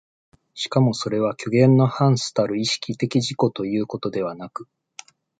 しかもそれは虚幻の伴子たる意識的自己ということではなく、